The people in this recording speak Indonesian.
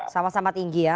sama sama tinggi ya